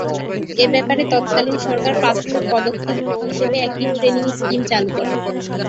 এ ব্যাপারে তৎকালীন সরকার প্রাথমিক পদক্ষেপ হিসেবে একটি ট্রেনিং স্কিম চালু করে।